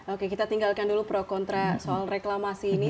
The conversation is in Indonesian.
oke kita tinggalkan dulu pro kontra soal reklamasi ini